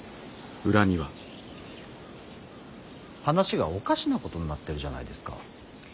話がおかしなことになってるじゃないですか。